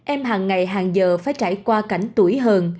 em hàng ngày hàng giờ phải trải qua cảnh tuổi hơn